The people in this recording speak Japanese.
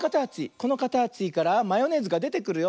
このかたちからマヨネーズがでてくるよ。